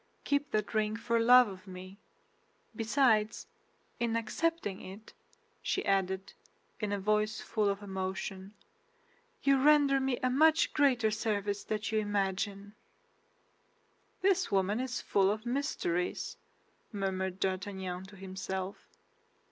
Keep that ring for love of me. Besides, in accepting it," she added, in a voice full of emotion, "you render me a much greater service than you imagine." "This woman is full of mysteries," murmured D'Artagnan to himself.